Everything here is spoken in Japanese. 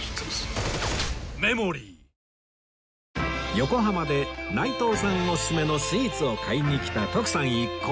横浜で内藤さんオススメのスイーツを買いに来た徳さん一行